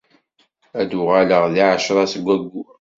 Ad d-uɣaleɣ deg ɛecṛa seg wayyur.